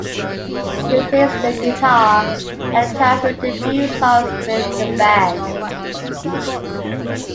He plays the guitar and has written a few songs with the band.